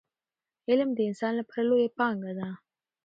علم د انسان لپاره لویه پانګه ده.